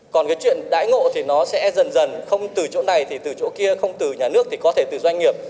còn cái chuyện đãi ngộ thì nó sẽ dần dần không từ chỗ này thì từ chỗ kia không từ nhà nước thì có thể từ doanh nghiệp